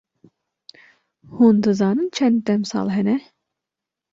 Hûn dizanin çend demsal hene?